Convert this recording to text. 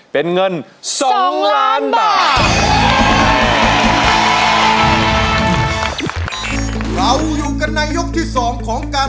คนละ๑ล้านบาทครับ